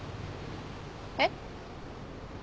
えっ？